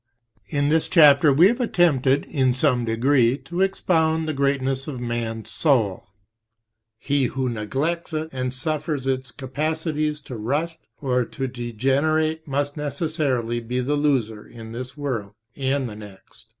In this chapter we have attempted, in some degree, to expound, the greatness of man's soul. He who neglects it and suffers its capacities to rust or to degenerate must necessarily be the loser in this world and the next.